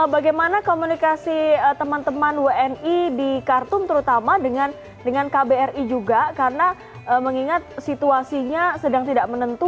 bagaimana komunikasi teman teman wni di khartoum terutama dengan kbri juga karena mengingat situasinya sedang tidak menentu